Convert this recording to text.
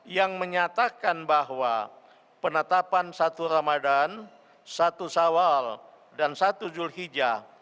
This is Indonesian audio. yang menyatakan bahwa penetapan satu ramadhan satu sawal dan satu julhijjah